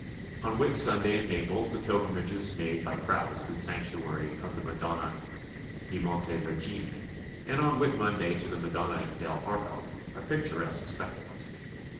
On Whitsunday in Naples the pilgrimages made by crowds to the sanctuary of the Madonna di Monte Vergine, and on Whitmonday to the Madonna del Arco, are picturesque spectacles.